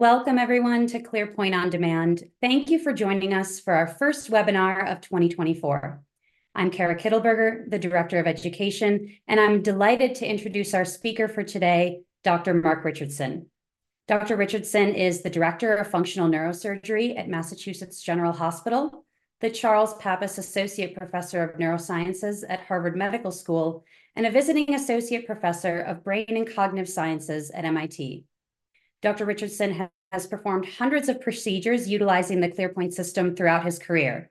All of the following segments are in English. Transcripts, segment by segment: Welcome everyone to ClearPoint On Demand. Thank you for joining us for our first webinar of 2024. I'm Kara Kittelberger, the Director of Education, and I'm delighted to introduce our speaker for today, Dr. Mark Richardson. Dr. Richardson is the Director of Functional Neurosurgery at Massachusetts General Hospital, the Charles A. Pappas Associate Professor of Neurosciences at Harvard Medical School, and a Visiting Associate Professor of Brain and Cognitive Sciences at MIT. Dr. Richardson has performed hundreds of procedures utilizing the ClearPoint system throughout his career.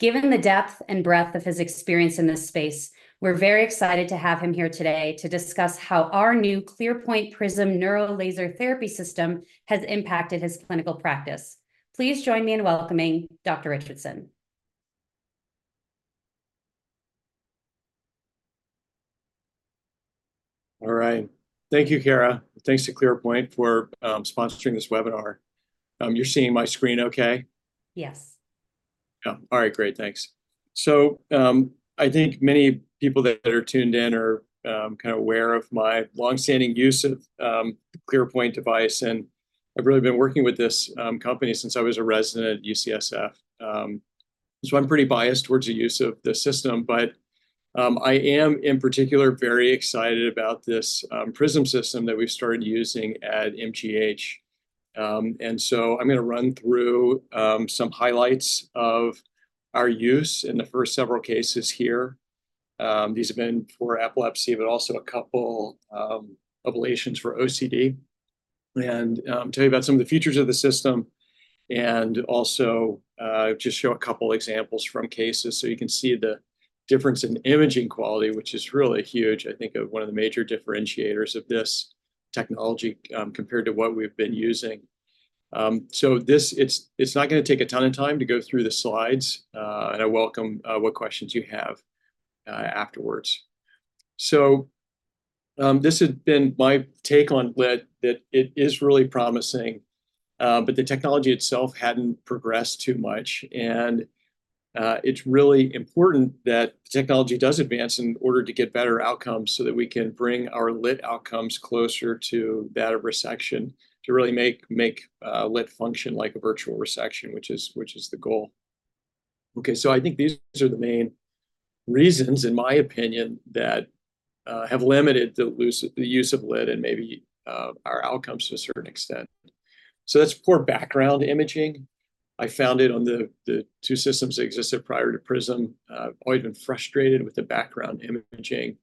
Given the depth and breadth of his experience in this space, we're very excited to have him here today to discuss how our new ClearPoint Prism Neuro Laser Therapy System has impacted his clinical practice. Please join me in welcoming Dr. Richardson. All right. Thank you, Kara. Thanks to ClearPoint for sponsoring this webinar. You're seeing my screen okay? Yes. Yeah. All right, great, thanks. So, I think many people that are tuned in are kind of aware of my long-standing use of the ClearPoint device, and I've really been working with this company since I was a resident at UCSF. So I'm pretty biased towards the use of the system, but I am, in particular, very excited about this Prism system that we've started using at MGH. And so I'm gonna run through some highlights of our use in the first several cases here. These have been for epilepsy, but also a couple ablations for OCD. And tell you about some of the features of the system, and also just show a couple examples from cases so you can see the difference in imaging quality, which is really huge. I think one of the major differentiators of this technology, compared to what we've been using. So it's not gonna take a ton of time to go through the slides, and I welcome what questions you have afterwards. So this has been my take on LITT, that it is really promising, but the technology itself hadn't progressed too much. And it's really important that technology does advance in order to get better outcomes, so that we can bring our LITT outcomes closer to that of resection, to really make LITT function like a virtual resection, which is the goal. Okay, so I think these are the main reasons, in my opinion, that have limited the use of LITT and maybe our outcomes to a certain extent. So that's poor background imaging. I found it on the two systems that existed prior to Prism. I've always been frustrated with the background imaging,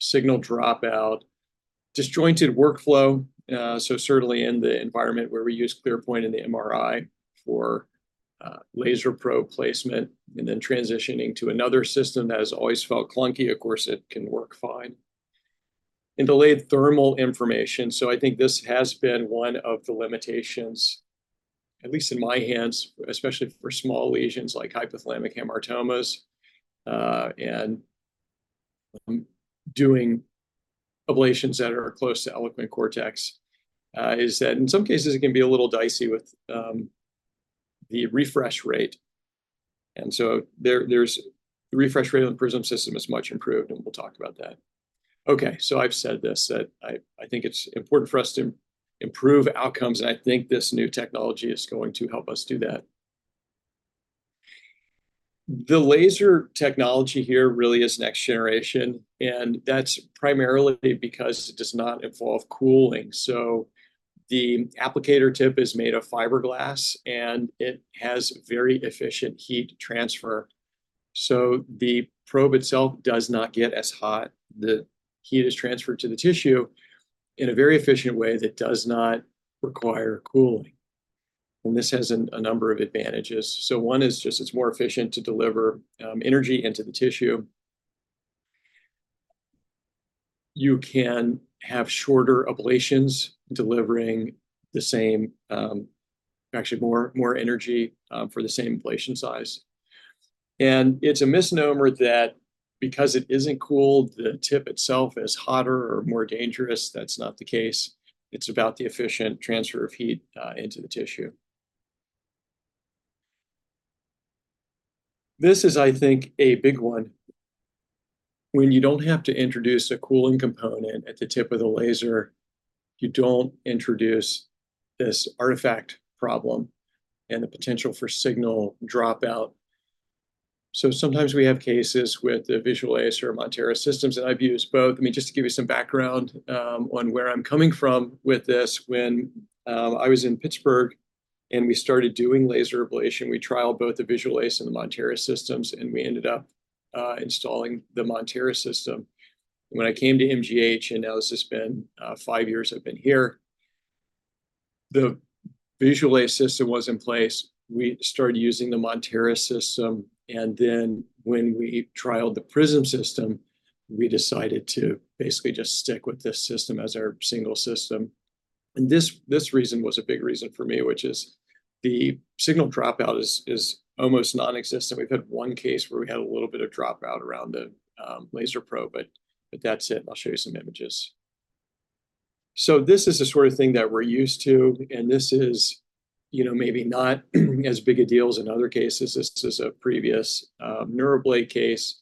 signal dropout, disjointed workflow. So certainly in the environment where we use ClearPoint in the MRI for laser probe placement, and then transitioning to another system that has always felt clunky, of course, it can work fine. And delayed thermal information, so I think this has been one of the limitations, at least in my hands, especially for small lesions like hypothalamic hamartomas, and doing ablations that are close to eloquent cortex, is that in some cases it can be a little dicey with the refresh rate. And so the refresh rate on the Prism system is much improved, and we'll talk about that. Okay, so I've said this, that I think it's important for us to improve outcomes, and I think this new technology is going to help us do that. The laser technology here really is next generation, and that's primarily because it does not involve cooling. So the applicator tip is made of fiberglass, and it has very efficient heat transfer. So the probe itself does not get as hot. The heat is transferred to the tissue in a very efficient way that does not require cooling, and this has a number of advantages. So one is just it's more efficient to deliver energy into the tissue. You can have shorter ablations, delivering the same, actually more energy for the same ablation size. And it's a misnomer that because it isn't cooled, the tip itself is hotter or more dangerous. That's not the case. It's about the efficient transfer of heat into the tissue. This is, I think, a big one. When you don't have to introduce a cooling component at the tip of the laser, you don't introduce this artifact problem and the potential for signal dropout. So sometimes we have cases with the Visualase or Monteris systems, and I've used both. I mean, just to give you some background on where I'm coming from with this, when I was in Pittsburgh and we started doing laser ablation, we trialed both the Visualase and the Monteris systems, and we ended up installing the Monteris system. When I came to MGH, and now this has been five years I've been here, the Visualase system was in place. We started using the Monteris system, and then when we trialed the Prism system, we decided to basically just stick with this system as our single system. And this reason was a big reason for me, which is the signal dropout is almost non-existent. We've had one case where we had a little bit of dropout around the laser probe, but that's it. I'll show you some images. So this is the sort of thing that we're used to, and this is, you know, maybe not as big a deal as in other cases. This is a previous NeuroBlate case.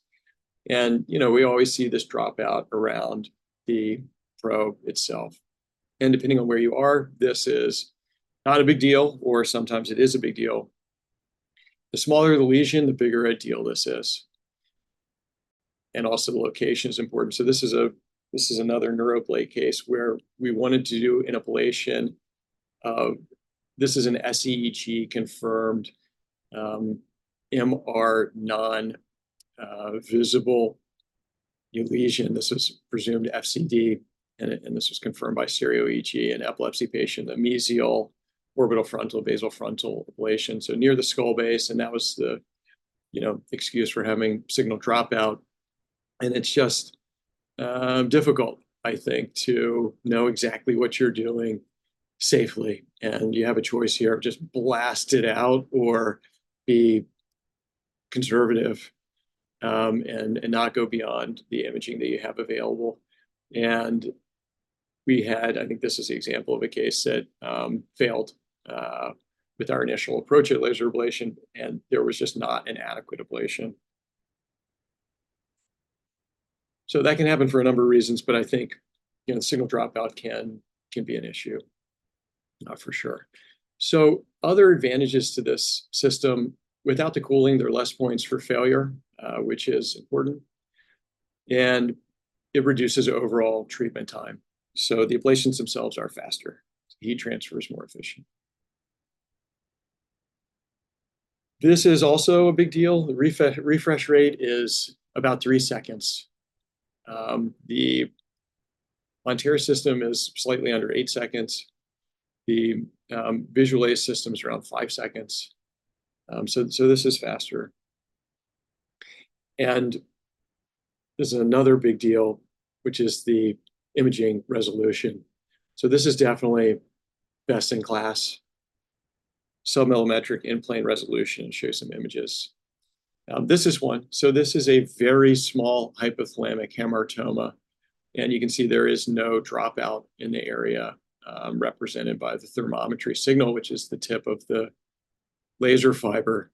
And, you know, we always see this dropout around the probe itself. And depending on where you are, this is not a big deal, or sometimes it is a big deal. The smaller the lesion, the bigger a deal this is. Also the location is important. So this is a, this is another NeuroBlate case where we wanted to do an ablation. This is an SEEG confirmed, MR non-visible lesion. This is presumed FCD, and this was confirmed by stereo-EEG, an epilepsy patient, a mesial orbital frontal/basal frontal ablation. So near the skull base, and that was the, you know, excuse for having signal dropout. And it's just difficult, I think, to know exactly what you're doing safely, and you have a choice here of just blast it out or be conservative, and not go beyond the imaging that you have available. And we had. I think this is the example of a case that failed with our initial approach at laser ablation, and there was just not an adequate ablation. So that can happen for a number of reasons, but I think, you know, signal dropout can, can be an issue, for sure. So other advantages to this system, without the cooling, there are less points for failure, which is important, and it reduces overall treatment time. So the ablations themselves are faster, heat transfer is more efficient. This is also a big deal. The refresh rate is about three seconds. The Monteris system is slightly under eight seconds. The Visualase system is around five seconds. So this is faster. And this is another big deal, which is the imaging resolution. So this is definitely best-in-class, sub-millimeter in-plane resolution. I'll show you some images. This is one. This is a very small hypothalamic hamartoma, and you can see there is no dropout in the area, represented by the thermometry signal, which is the tip of the laser fiber.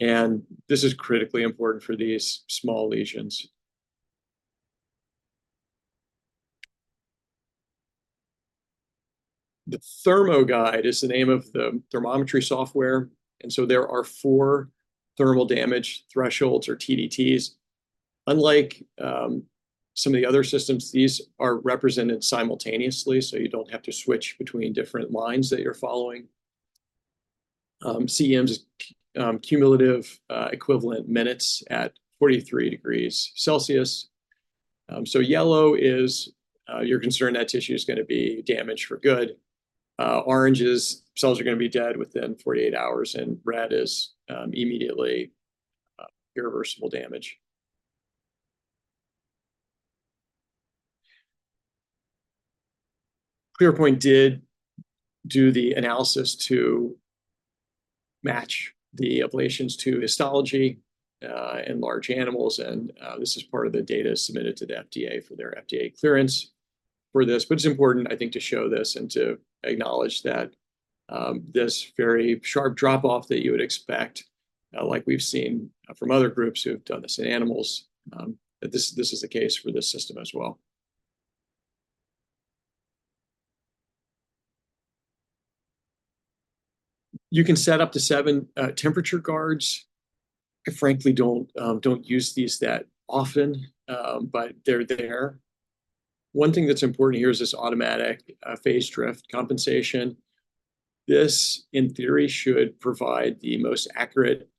This is critically important for these small lesions. The ThermoGuide is the name of the thermometry software, and so there are four thermal damage thresholds, or TDTs. Unlike some of the other systems, these are represented simultaneously, so you don't have to switch between different lines that you're following. CEMs, cumulative equivalent minutes at 43 degrees Celsius. So yellow is, you're concerned that tissue is gonna be damaged for good. Orange is, cells are gonna be dead within 48 hours, and red is, immediately, irreversible damage. ClearPoint did do the analysis to match the ablations to histology in large animals, and this is part of the data submitted to the FDA for their FDA clearance for this. But it's important, I think, to show this and to acknowledge that this very sharp drop-off that you would expect like we've seen from other groups who have done this in animals that this is the case for this system as well. You can set up to seven temperature guards. I frankly don't use these that often, but they're there. One thing that's important here is this automatic phase drift compensation. This, in theory, should provide the most accurate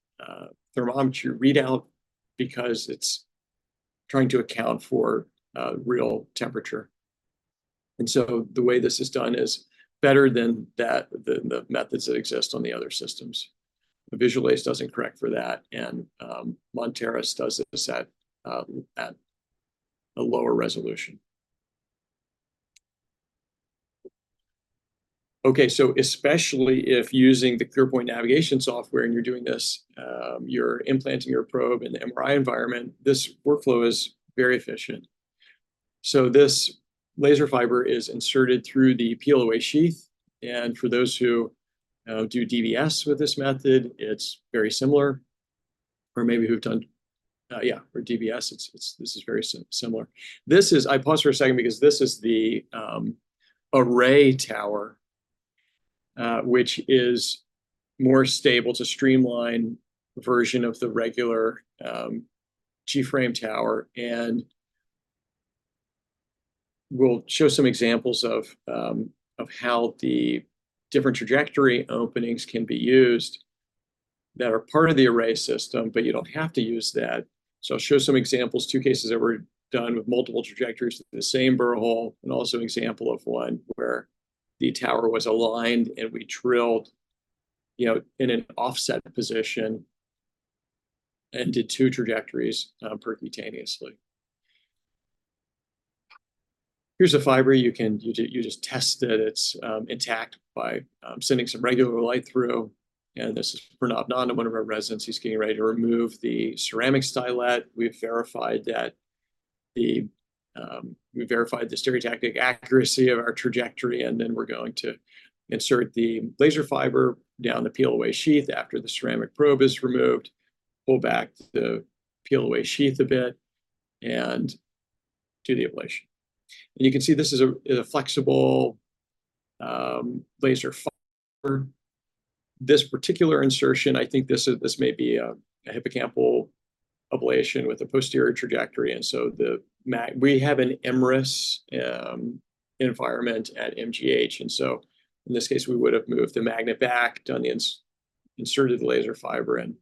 thermometer readout because it's trying to account for real temperature. And so the way this is done is better than that, the methods that exist on the other systems. The Visualase doesn't correct for that, and Monteris does this at a lower resolution. Okay, so especially if using the ClearPoint navigation software and you're doing this, you're implanting your probe in the MRI environment, this workflow is very efficient. So this laser fiber is inserted through the peel-away sheath, and for those who do DBS with this method, it's very similar. Or maybe who've done... for DBS, it's very similar. This is. I pause for a second because this is the Array tower, which is more stable to streamline version of the regular G-frame tower, and... We'll show some examples of how the different trajectory openings can be used that are part of the Array system, but you don't have to use that. So I'll show some examples, two cases that were done with multiple trajectories, the same burr hole, and also an example of one where the tower was aligned and we drilled, you know, in an offset position and did two trajectories percutaneously. Here's a fiber. You can just test that it's intact by sending some regular light through. And this is Pranav Nanda, one of our residents. He's getting ready to remove the ceramic stylet. We've verified that. We verified the stereotactic accuracy of our trajectory, and then we're going to insert the laser fiber down the peel-away sheath after the ceramic probe is removed, pull back the peel-away sheath a bit, and do the ablation. And you can see this is a, is a flexible laser fiber. This particular insertion, I think this is—this may be a, a hippocampal ablation with a posterior trajectory, and so we have an MRI environment at MGH, and so in this case, we would have moved the magnet back, inserted the laser fiber in,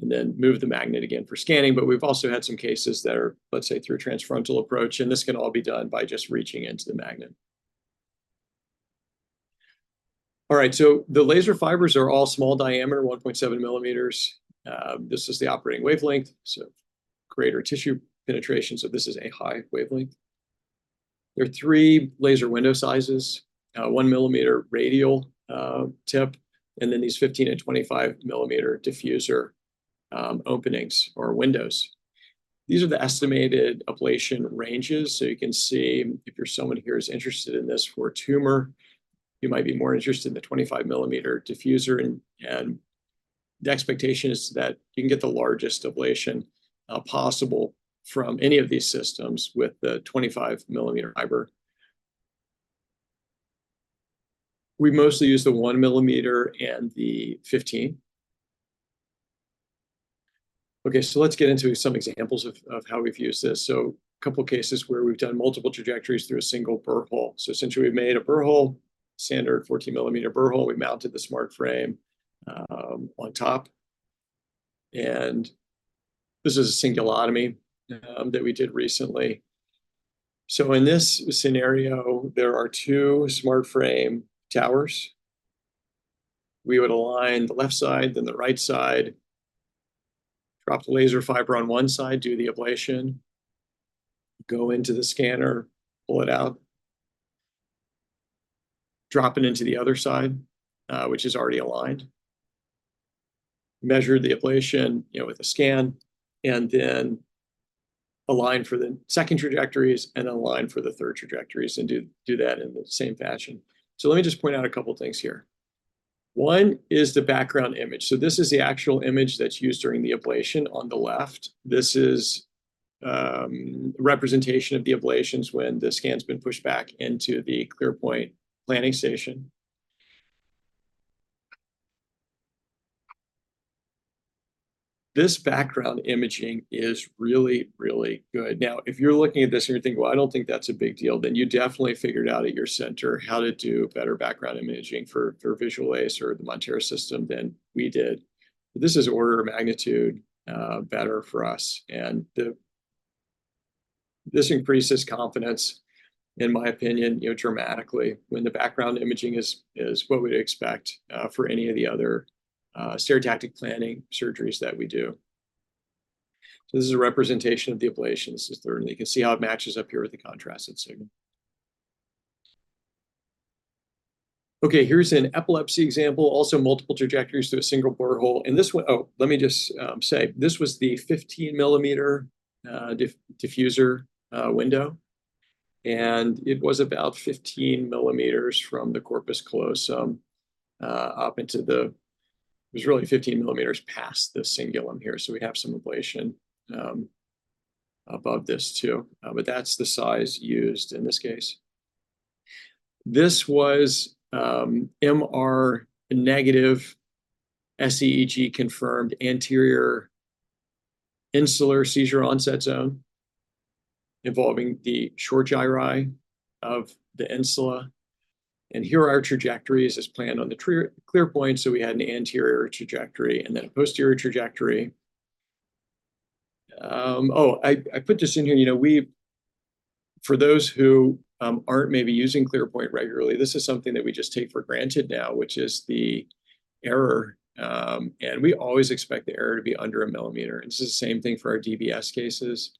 and then moved the magnet again for scanning. But we've also had some cases that are, let's say, through a trans frontal approach, and this can all be done by just reaching into the magnet. All right, so the laser fibers are all small diameter, 1.7 millimeters. This is the operating wavelength, so greater tissue penetration, so this is a high wavelength. There are three laser window sizes: 1 millimeter radial tip, and then these 15 and 25 millimeter diffuser openings or windows. These are the estimated ablation ranges, so you can see if you're someone here who's interested in this for a tumor, you might be more interested in the 25 millimeter diffuser. And the expectation is that you can get the largest ablation possible from any of these systems with the 25 millimeter fiber. We mostly use the 1 millimeter and the 15. Okay, so let's get into some examples of how we've used this. So a couple of cases where we've done multiple trajectories through a single burr hole. So essentially, we've made a burr hole, standard 14 millimeter burr hole. We mounted the SmartFrame on top, and this is a cingulotomy that we did recently. So in this scenario, there are two SmartFrame towers. We would align the left side, then the right side, drop the laser fiber on one side, do the ablation, go into the scanner, pull it out, drop it into the other side, which is already aligned. Measure the ablation, you know, with a scan, and then align for the second trajectories and align for the third trajectories, and do that in the same fashion. So let me just point out a couple of things here. One is the background image. So this is the actual image that's used during the ablation on the left. This is a representation of the ablations when the scan's been pushed back into the ClearPoint planning station. This background imaging is really, really good. Now, if you're looking at this and you're thinking, "Well, I don't think that's a big deal," then you definitely figured out at your center how to do better background imaging for Visualase or the Monteris system than we did. This is order of magnitude better for us, and this increases confidence, in my opinion, you know, dramatically when the background imaging is what we'd expect for any of the other stereotactic planning surgeries that we do. So this is a representation of the ablations. This is there, and you can see how it matches up here with the contrasted signal. Okay, here's an epilepsy example, also multiple trajectories through a single burr hole. This one. Oh, let me just say, this was the 15-mm diffuser window, and it was about 15 mm from the corpus callosum up into the. It was really 15 mm past the cingulum here, so we have some ablation above this too. But that's the size used in this case. This was MR negative, SEEG-confirmed anterior insular seizure onset zone involving the short gyri of the insula. Here are our trajectories as planned on the ClearPoint, so we had an anterior trajectory and then a posterior trajectory. Oh, I put this in here, you know, for those who aren't maybe using ClearPoint regularly, this is something that we just take for granted now, which is the error. And we always expect the error to be under 1 mm. It's the same thing for our DBS cases.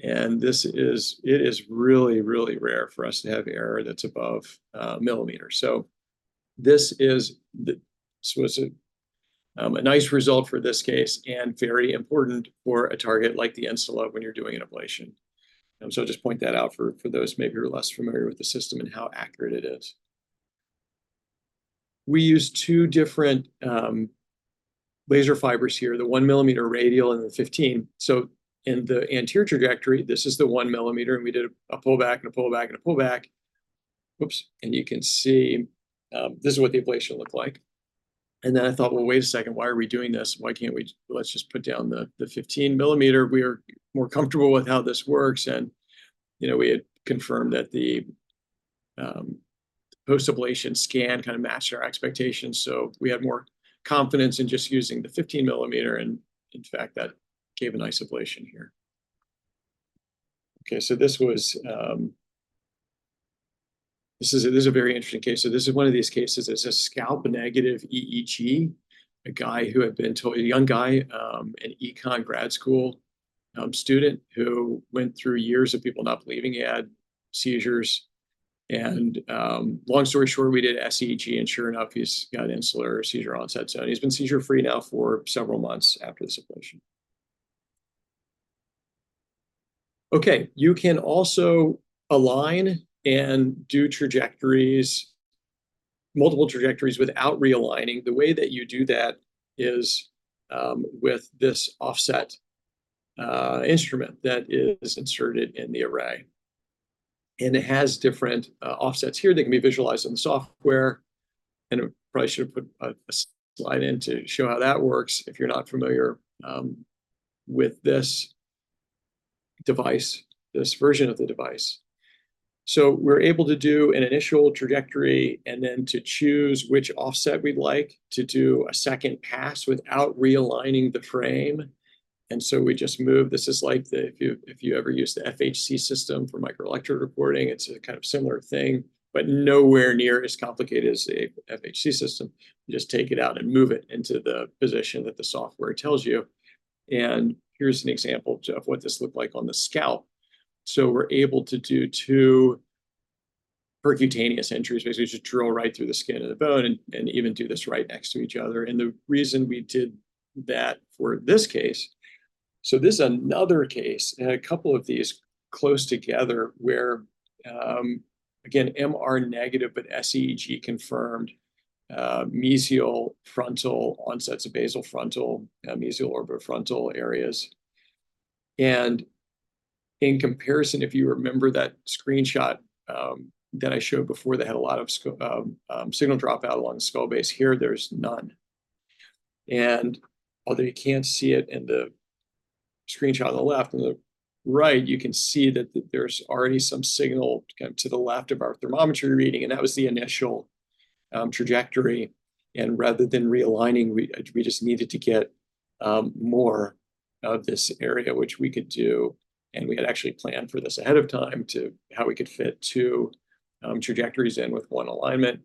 It is really, really rare for us to have error that's above a millimeter. So it's a nice result for this case and very important for a target like the insula when you're doing an ablation. So I'll just point that out for those maybe who are less familiar with the system and how accurate it is. We use two different laser fibers here, the one millimeter radial and the 15. So in the anterior trajectory, this is the one millimeter, and we did a pull back, and a pull back, and a pull back. Oops! And you can see this is what the ablation looked like. And then I thought, "Well, wait a second, why are we doing this? Why can't we - let's just put down the 15 millimeter." We are more comfortable with how this works, and, you know, we had confirmed that the post-ablation scan kind of matched our expectations. So we had more confidence in just using the 15 millimeter, and in fact, that gave a nice ablation here. Okay, so this is a very interesting case. So this is one of these cases, it's a scalp-negative EEG. A guy who had been told... A young guy, an econ grad school student who went through years of people not believing he had seizures... Long story short, we did SEEG and sure enough, he's got insular seizure onset. So he's been seizure-free now for several months after this ablation. Okay, you can also align and do trajectories, multiple trajectories without realigning. The way that you do that is with this offset instrument that is inserted in the Array. And it has different offsets here that can be visualized on the software, and I probably should have put a slide in to show how that works if you're not familiar with this device, this version of the device. So we're able to do an initial trajectory, and then to choose which offset we'd like to do a second pass without realigning the frame, and so we just move. This is like, if you ever used the FHC system for microelectrode recording, it's a kind of similar thing, but nowhere near as complicated as the FHC system. You just take it out and move it into the position that the software tells you. And here's an example of what this looked like on the scalp. So we're able to do 2 percutaneous entries, basically just drill right through the skin and the bone and even do this right next to each other. And the reason we did that for this case—so this is another case, and a couple of these close together, where again MR negative, but SEEG confirmed mesial frontal onsets of basal frontal mesial orbital frontal areas. And in comparison, if you remember that screenshot that I showed before, that had a lot of signal dropout along the skull base. Here, there's none. And although you can't see it in the screenshot on the left, on the right, you can see that there's already some signal kind of to the left of our thermometry reading, and that was the initial trajectory. Rather than realigning, we just needed to get more of this area, which we could do. We had actually planned for this ahead of time to how we could fit 2 trajectories in with one alignment.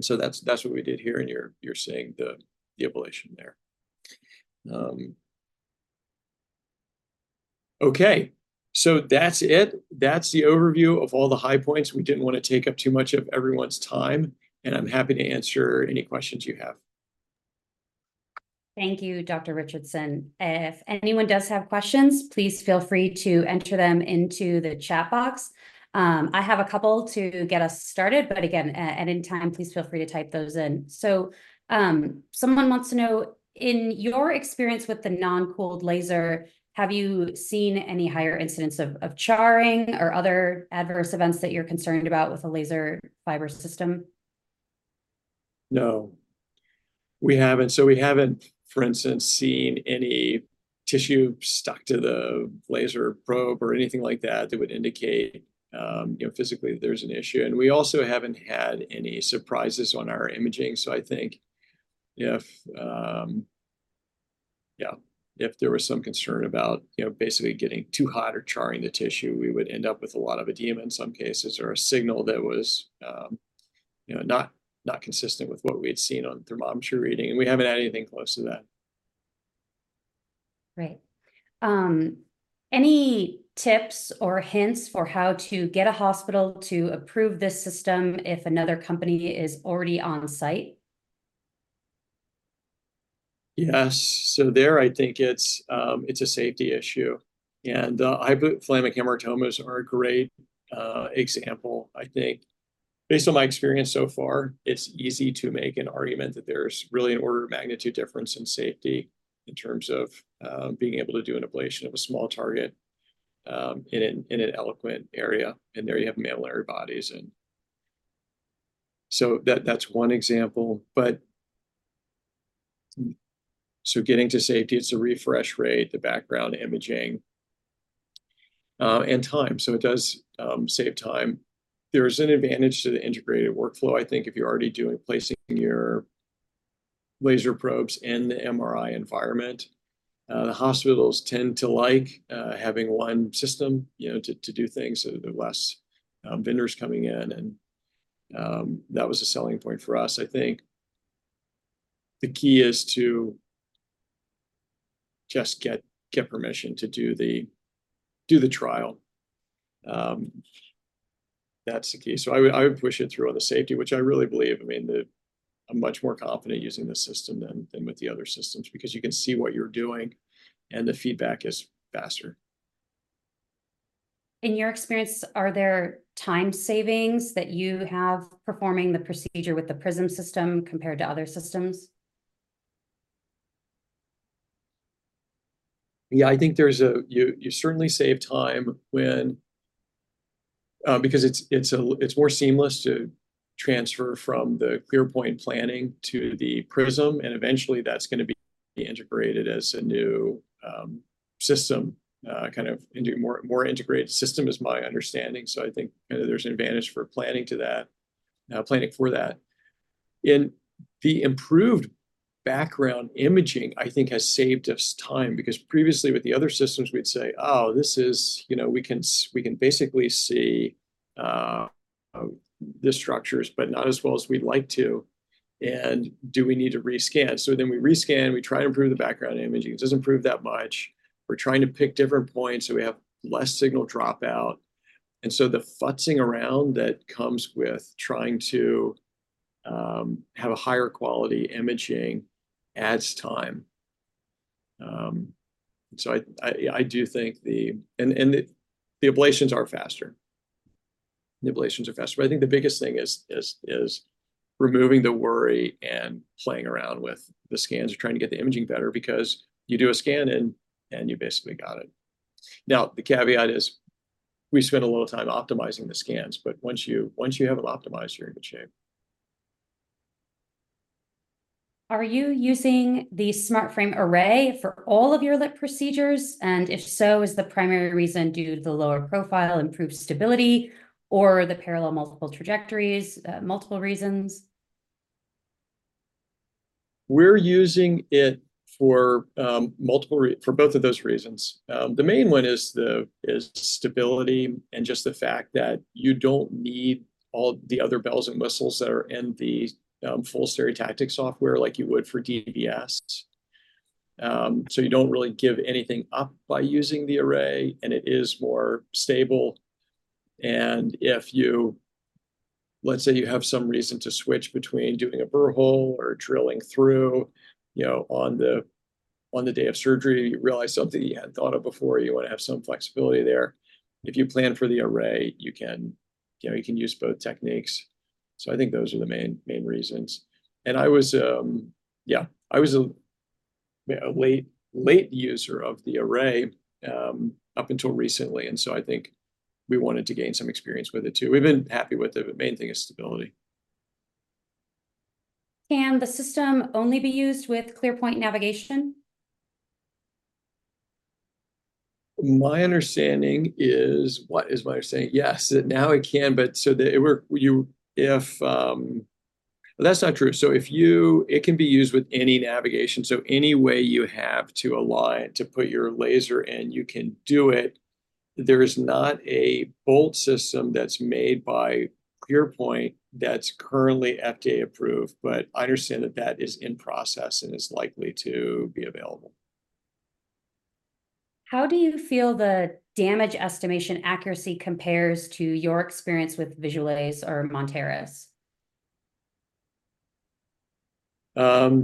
So that's what we did here, and you're seeing the ablation there. Okay, so that's it. That's the overview of all the high points. We didn't want to take up too much of everyone's time, and I'm happy to answer any questions you have. Thank you, Dr. Richardson. If anyone does have questions, please feel free to enter them into the chat box. I have a couple to get us started, but again, at any time, please feel free to type those in. So, someone wants to know: In your experience with the non-cooled laser, have you seen any higher incidents of charring or other adverse events that you're concerned about with the laser fiber system? No. We haven't. So we haven't, for instance, seen any tissue stuck to the laser probe or anything like that, that would indicate, you know, physically that there's an issue. And we also haven't had any surprises on our imaging. So I think if, yeah, if there was some concern about, you know, basically getting too hot or charring the tissue, we would end up with a lot of edema in some cases, or a signal that was, you know, not, not consistent with what we had seen on thermometry reading, and we haven't had anything close to that. Right. Any tips or hints for how to get a hospital to approve this system if another company is already on site? Yes. So, I think it's a safety issue. And hypothalamic hamartomas are a great example. I think based on my experience so far, it's easy to make an argument that there's really an order of magnitude difference in safety in terms of being able to do an ablation of a small target in an eloquent area, and there you have mammillary bodies. And so that, that's one example, but... So getting to safety, it's the refresh rate, the background imaging, and time. So it does save time. There is an advantage to the integrated workflow, I think, if you're already doing placing your laser probes in the MRI environment. The hospitals tend to like having one system, you know, to do things, so there are less vendors coming in, and that was a selling point for us. I think the key is to just get permission to do the trial. That's the key. So I would push it through on the safety, which I really believe. I mean, I'm much more confident using this system than with the other systems, because you can see what you're doing, and the feedback is faster. In your experience, are there time savings that you have performing the procedure with the Prism system compared to other systems? Yeah, I think there's you certainly save time when... because it's more seamless to transfer from the ClearPoint planning to the Prism, and eventually that's gonna be integrated as a new system, kind of into a more integrated system is my understanding. So I think there's an advantage for planning to that, planning for that. The improved background imaging, I think, has saved us time, because previously with the other systems, we'd say: "Oh, this is, you know, we can basically see the structures, but not as well as we'd like to." Do we need to re-scan? So then we re-scan, we try to improve the background imaging. It doesn't improve that much. We're trying to pick different points so we have less signal dropout, and so the futzing around that comes with trying to have a higher quality imaging adds time. So yeah, I do think the ablations are faster. The ablations are faster. But I think the biggest thing is removing the worry and playing around with the scans or trying to get the imaging better, because you do a scan in, and you basically got it. Now, the caveat is, we spend a lot of time optimizing the scans, but once you have it optimized, you're in good shape. Are you using the SmartFrame Array for all of your LITT procedures? And if so, is the primary reason due to the lower profile, improved stability, or the parallel multiple trajectories, multiple reasons? We're using it for multiple reasons for both of those reasons. The main one is stability and just the fact that you don't need all the other bells and whistles that are in the full stereotactic software like you would for DBS. So you don't really give anything up by using the Array, and it is more stable. And if you... Let's say you have some reason to switch between doing a burr hole or drilling through, you know, on the day of surgery, you realize something you hadn't thought of before, you wanna have some flexibility there. If you plan for the Array, you can, you know, you can use both techniques. So I think those are the main, main reasons. I was a late user of the Array up until recently, and so I think we wanted to gain some experience with it, too. We've been happy with it, but the main thing is stability. Can the system only be used with ClearPoint Navigation? My understanding is, what is my understanding? Yes, now it can, but so... That's not true. So if it can be used with any navigation, so any way you have to align to put your laser in, you can do it. There is not a built system that's made by ClearPoint that's currently FDA-approved, but I understand that that is in process and is likely to be available. How do you feel the damage estimation accuracy compares to your experience with Visualase or Monteris?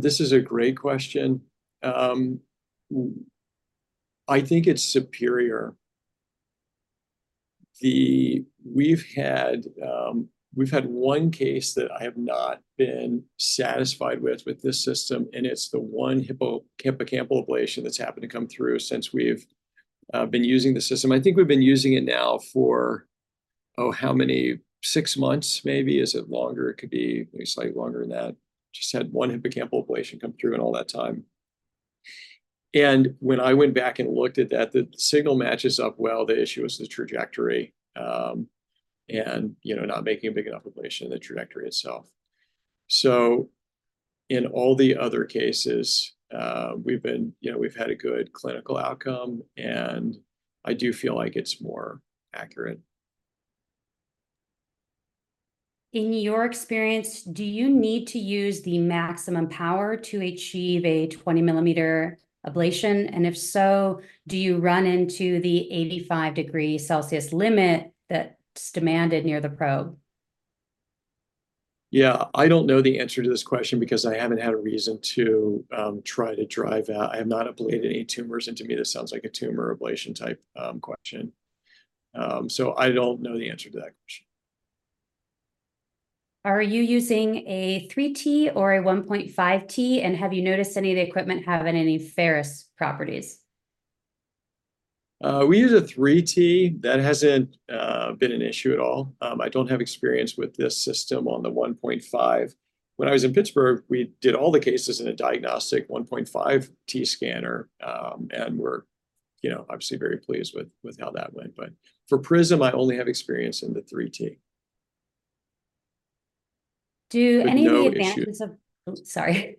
This is a great question. I think it's superior. We've had one case that I have not been satisfied with, with this system, and it's the one hippocampal ablation that's happened to come through since we've been using the system. I think we've been using it now for, oh, how many? Six months, maybe. Is it longer? It could be slightly longer than that. Just had one hippocampal ablation come through in all that time. And when I went back and looked at that, the signal matches up well. The issue is the trajectory, and, you know, not making a big enough ablation of the trajectory itself. So in all the other cases, we've been, you know, we've had a good clinical outcome, and I do feel like it's more accurate. In your experience, do you need to use the maximum power to achieve a 20-millimeter ablation? And if so, do you run into the 85-degree Celsius limit that's demanded near the probe? Yeah, I don't know the answer to this question because I haven't had a reason to try to drive out. I have not ablated any tumors, and to me, this sounds like a tumor ablation type question. So I don't know the answer to that question. Are you using a 3T or a 1.5T, and have you noticed any of the equipment having any ferrous properties? We use a 3T. That hasn't been an issue at all. I don't have experience with this system on the 1.5T. When I was in Pittsburgh, we did all the cases in a diagnostic 1.5T scanner, and we're, you know, obviously very pleased with, with how that went. But for Prism, I only have experience in the 3T. Do any of the advantages. With no issue. Oh, sorry.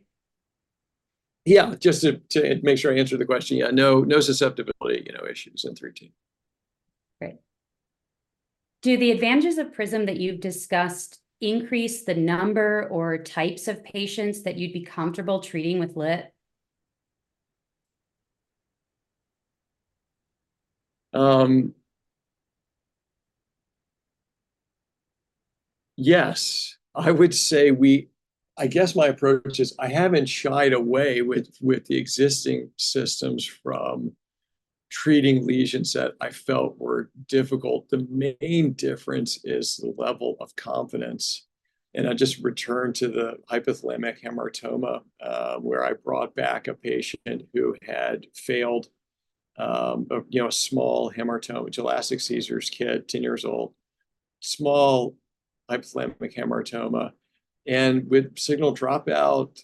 Yeah, just to make sure I answer the question, yeah, no, no susceptibility, you know, issues in 3T. Great. Do the advantages of Prism that you've discussed increase the number or types of patients that you'd be comfortable treating with LITT? Yes, I guess my approach is, I haven't shied away with the existing systems from treating lesions that I felt were difficult. The main difference is the level of confidence. I just returned to the hypothalamic hamartoma, where I brought back a patient who had failed a small hamartoma, gelastic seizures, kid, 10 years old, small hypothalamic hamartoma. With signal dropout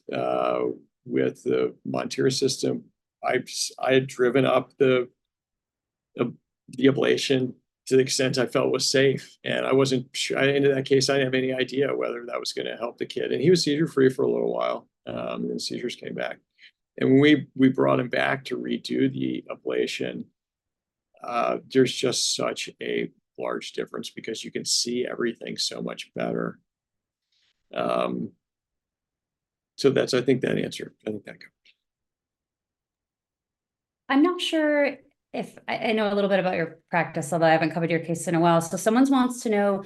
with the Monteris system, I had driven up the ablation to the extent I felt was safe, and in that case, I didn't have any idea whether that was gonna help the kid. He was seizure-free for a little while, then the seizures came back. We brought him back to redo the ablation. There's just such a large difference because you can see everything so much better. So that's, I think that answered. I think that covers. I'm not sure I know a little bit about your practice, although I haven't covered your case in a while. So someone wants to know,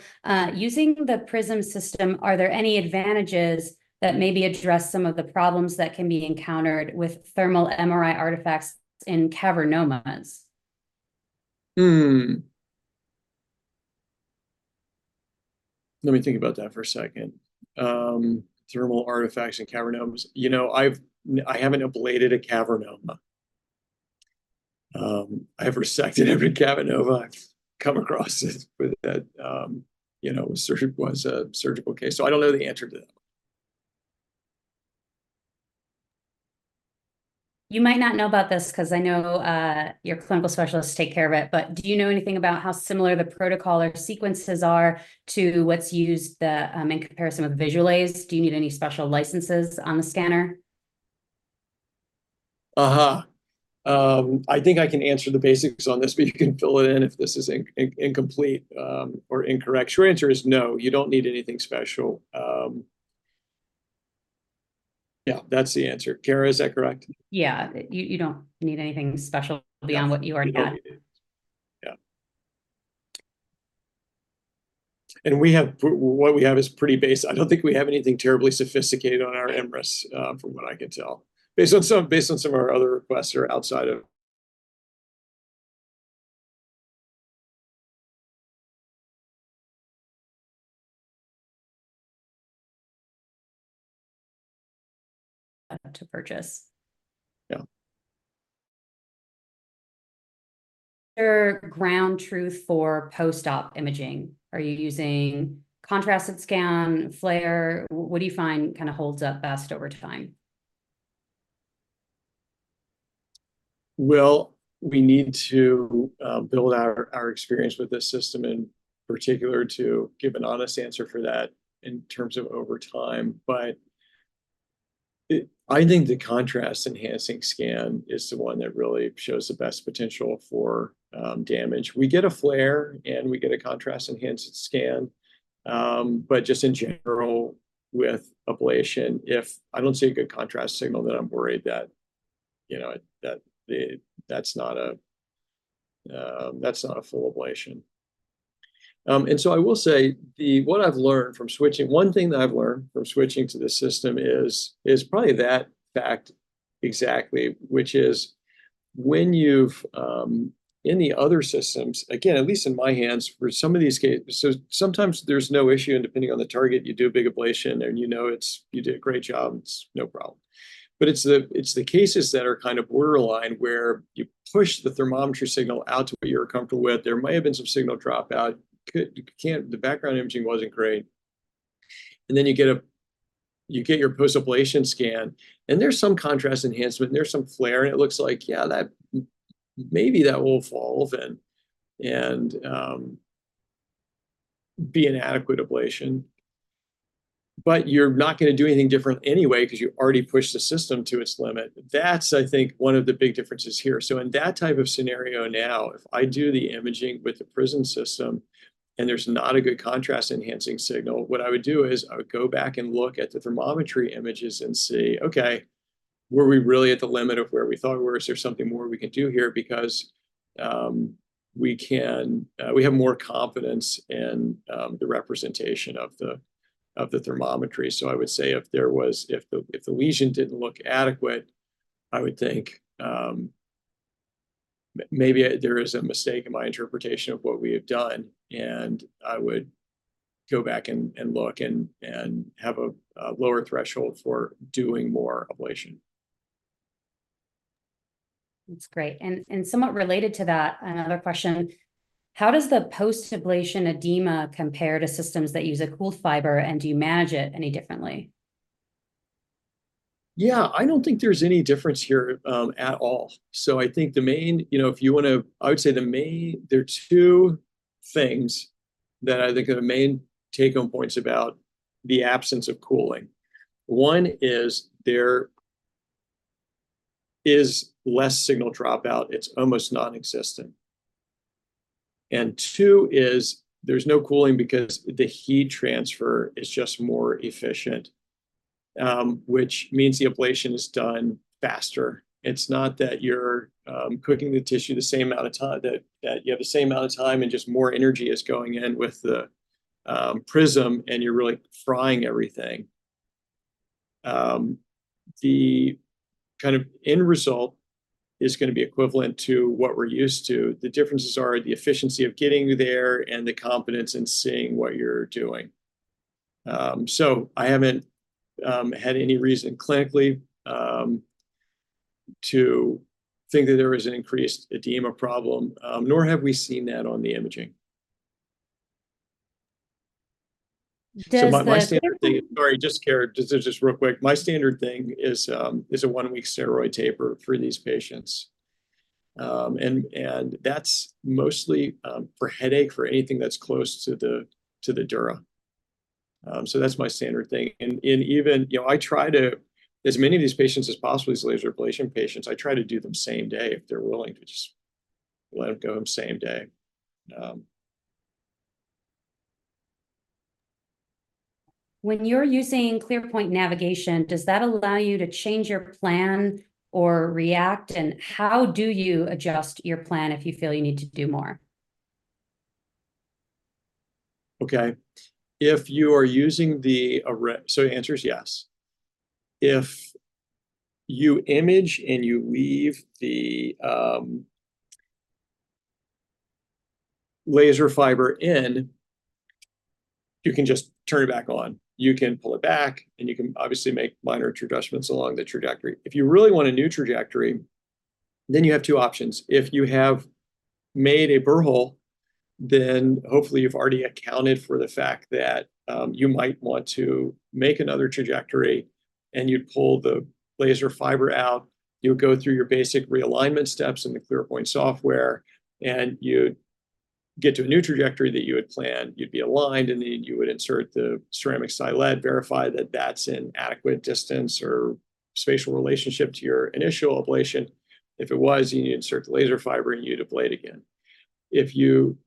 using the Prism system, are there any advantages that maybe address some of the problems that can be encountered with thermal MRI artifacts in cavernomas? Hmm. Let me think about that for a second. Thermal artifacts in cavernomas. You know, I haven't ablated a cavernoma. I've resected every cavernoma I've come across with that, you know, surgery was a surgical case, so I don't know the answer to that. You might not know about this 'cause I know your clinical specialists take care of it, but do you know anything about how similar the protocol or sequences are to what's used in comparison with Visualase? Do you need any special licenses on the scanner? Aha! I think I can answer the basics on this, but you can fill it in if this is incomplete or incorrect. Yeah, that's the answer. Kara, is that correct? Yeah, you don't need anything special beyond what you already have. Yeah. And what we have is pretty basic. I don't think we have anything terribly sophisticated on our MRIs, from what I can tell. Based on some of our other requests are outside of. To purchase. Yeah. Your ground truth for post-op imaging. Are you using contrasted scan, FLAIR? What do you find kind of holds up best over time? Well, we need to build our experience with this system, in particular, to give an honest answer for that in terms of over time. But I think the contrast enhancing scan is the one that really shows the best potential for damage. We get a FLAIR, and we get a contrast enhanced scan. But just in general, with ablation, if I don't see a good contrast signal, then I'm worried that, you know, that's not a full ablation. And so I will say, what I've learned from switching to this system is probably that fact exactly, which is when you've... In the other systems, again, at least in my hands, for some of these cases, so sometimes there's no issue, and depending on the target, you do a big ablation, and you know it's you did a great job, and it's no problem. But it's the, it's the cases that are kind of borderline, where you push the thermometry signal out to what you're comfortable with. There may have been some signal dropout. The background imaging wasn't great. And then you get your post-ablation scan, and there's some contrast enhancement, and there's some FLAIR, and it looks like, yeah, that maybe that will fall then, and be an adequate ablation. But you're not gonna do anything different anyway because you already pushed the system to its limit. That's, I think, one of the big differences here. So in that type of scenario now, if I do the imaging with the Prism system, and there's not a good contrast-enhancing signal, what I would do is, I would go back and look at the thermometry images and see, okay, were we really at the limit of where we thought it was? Is there something more we can do here? Because we can, we have more confidence in the representation of the thermometry. So I would say if there was, if the lesion didn't look adequate, I would think, maybe there is a mistake in my interpretation of what we have done, and I would go back and look and have a lower threshold for doing more ablation. That's great. And somewhat related to that, another question: How does the post-ablation edema compare to systems that use a cool fiber, and do you manage it any differently? Yeah, I don't think there's any difference here at all. So I think there are two things that I think are the main take-home points about the absence of cooling. One is there is less signal dropout. It's almost non-existent. And two is there's no cooling because the heat transfer is just more efficient, which means the ablation is done faster. It's not that you're cooking the tissue the same amount of time, that you have the same amount of time and just more energy is going in with the Prism, and you're really frying everything. The kind of end result is gonna be equivalent to what we're used to. The differences are the efficiency of getting you there and the confidence in seeing what you're doing. I haven't had any reason clinically to think that there is an increased Edema problem, nor have we seen that on the imaging. Does, uh. So my standard thing. Sorry, Kara, just real quick. My standard thing is a one-week steroid taper for these patients. And that's mostly for headache, for anything that's close to the dura. So that's my standard thing. And even, you know, I try to, as many of these patients as possible, these laser ablation patients, I try to do them same day if they're willing, to just let them go home same day. When you're using ClearPoint navigation, does that allow you to change your plan or react? And how do you adjust your plan if you feel you need to do more? Okay. If you are using so the answer is yes. If you image and you leave the laser fiber in, you can just turn it back on. You can pull it back, and you can obviously make minor adjustments along the trajectory. If you really want a new trajectory, then you have two options. If you have made a burr hole, then hopefully you've already accounted for the fact that you might want to make another trajectory, and you'd pull the laser fiber out. You'll go through your basic realignment steps in the ClearPoint software, and you'd get to a new trajectory that you had planned. You'd be aligned, and then you would insert the ceramic stylet, verify that that's in adequate distance or spatial relationship to your initial ablation. If it was, you need to insert the laser fiber, and you'd ablate again. If you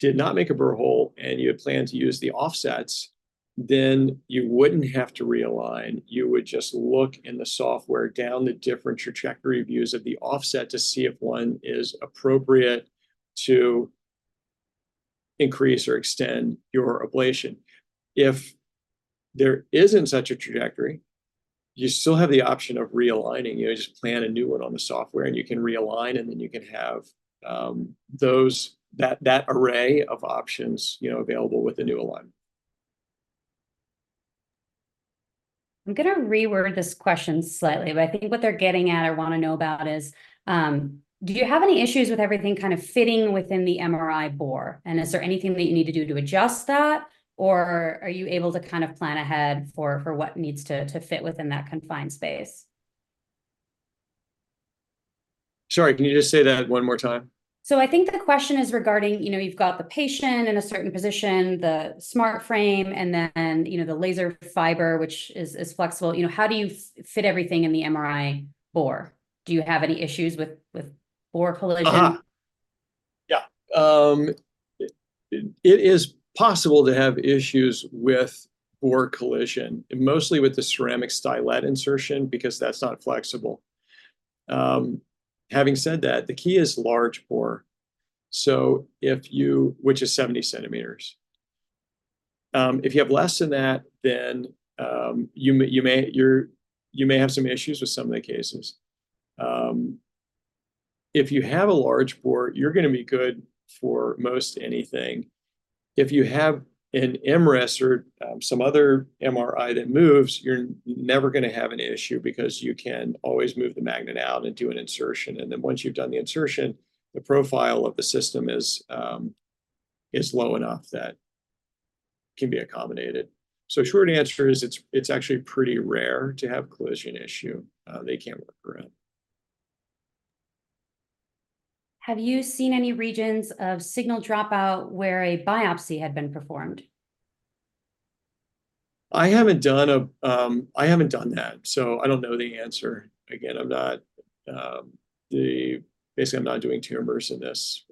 did not make a burr hole and you had planned to use the offsets, then you wouldn't have to realign. You would just look in the software down the different trajectory views of the offset to see if one is appropriate to increase or extend your ablation. If there isn't such a trajectory, you still have the option of realigning. You just plan a new one on the software, and you can realign, and then you can have that Array of options, you know, available with the new align. I'm gonna reword this question slightly, but I think what they're getting at or wanna know about is, do you have any issues with everything kind of fitting within the MRI bore? And is there anything that you need to do to adjust that, or are you able to kind of plan ahead for what needs to fit within that confined space? Sorry, can you just say that one more time? So I think the question is regarding, you know, you've got the patient in a certain position, the SmartFrame, and then, you know, the laser fiber, which is flexible. You know, how do you fit everything in the MRI bore? Do you have any issues with bore collision? Yeah. It is possible to have issues with bore collision, mostly with the ceramic stylet insertion, because that's not flexible. Having said that, the key is large bore, so if you... Which is 70 centimeters. If you have less than that, then you may have some issues with some of the cases. If you have a large bore, you're gonna be good for most anything. If you have an IMRIS or some other MRI that moves, you're never gonna have an issue because you can always move the magnet out and do an insertion. And then once you've done the insertion, the profile of the system is low enough that it can be accommodated. So short answer is, it's actually pretty rare to have collision issue. They can work around. Have you seen any regions of signal dropout where a biopsy had been performed? I haven't done that, so I don't know the answer. Again, I'm not. Basically, I'm not doing tumors in this,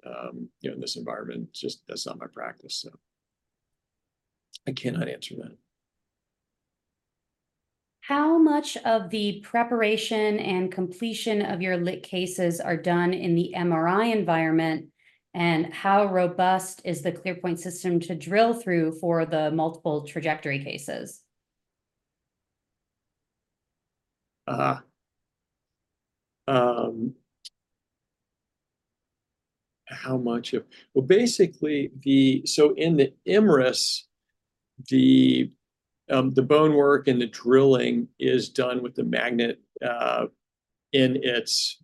you know, in this environment. Just, that's not my practice, so I cannot answer that. How much of the preparation and completion of your LITT cases are done in the MRI environment, and how robust is the ClearPoint system to drill through for the multiple trajectory cases? Well, basically, so in the MRIs, the bone work and the drilling is done with the magnet in its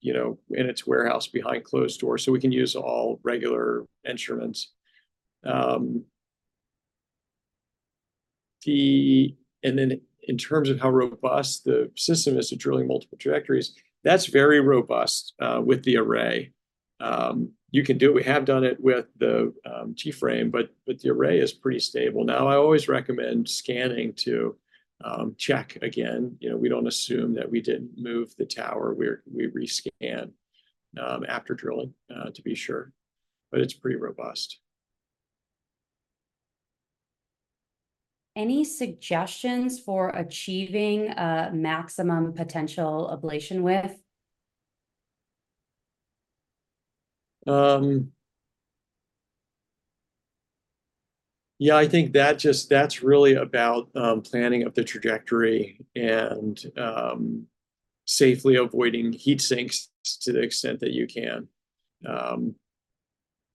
you know, in its warehouse behind closed doors, so we can use all regular instruments. And then in terms of how robust the system is to drilling multiple trajectories, that's very robust with the Array. You can do it. We have done it with the frame, but the Array is pretty stable. Now, I always recommend scanning to check again. You know, we don't assume that we didn't move the tower. We rescan after drilling to be sure, but it's pretty robust. Any suggestions for achieving, maximum potential ablation width? Yeah, I think that just, that's really about planning of the trajectory and safely avoiding heat sinks to the extent that you can.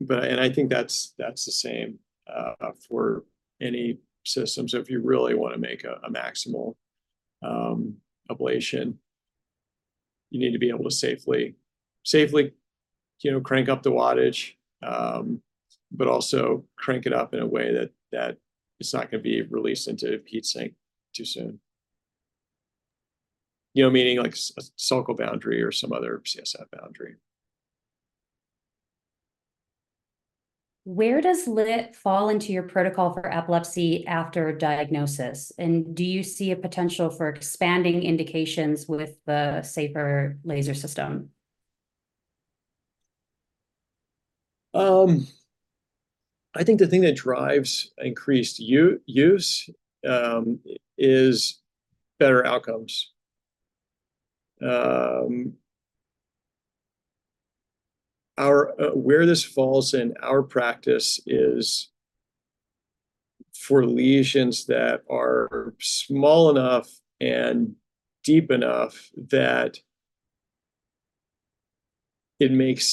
And I think that's the same for any system. So if you really wanna make a maximal ablation, you need to be able to safely, safely, you know, crank up the wattage, but also crank it up in a way that it's not gonna be released into a heat sink too soon... you know, meaning like a sulcal boundary or some other CSF boundary. Where does LITT fall into your protocol for epilepsy after diagnosis? And do you see a potential for expanding indications with the safer laser system? I think the thing that drives increased use is better outcomes. Where this falls in our practice is for lesions that are small enough and deep enough that it makes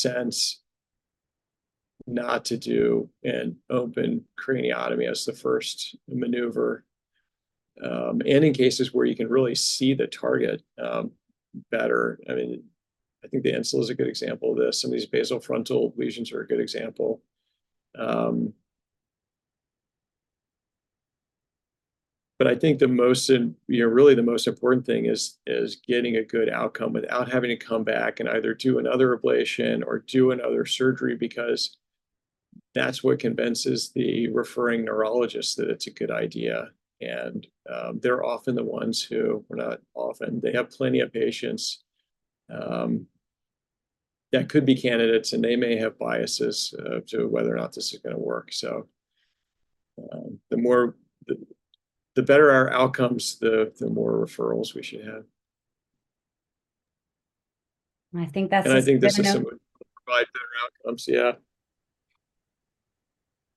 sense not to do an open craniotomy as the first maneuver. In cases where you can really see the target better. I mean, I think the insula is a good example of this. Some of these basal frontal lesions are a good example. I think the most, you know, really the most important thing is getting a good outcome without having to come back and either do another ablation or do another surgery, because that's what convinces the referring neurologist that it's a good idea. They're often the ones who, well, not often, they have plenty of patients that could be candidates, and they may have biases to whether or not this is gonna work. So, the more, the better our outcomes, the more referrals we should have. I think that's. I think the system would provide better outcomes. Yeah.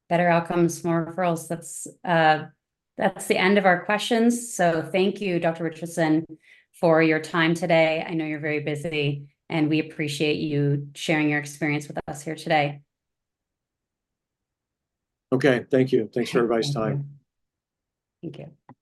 Better outcomes, more referrals. That's, that's the end of our questions. So thank you, Dr. Richardson, for your time today. I know you're very busy, and we appreciate you sharing your experience with us here today. Okay. Thank you. Thanks for everybody's time. Thank you.